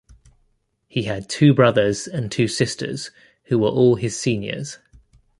He had two brothers and two sisters who were all his seniors.